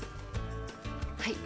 はい。